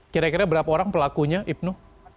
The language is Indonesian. kira kira berapa orang pelakunya ibnu